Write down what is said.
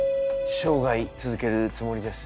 生涯続けるつもりです。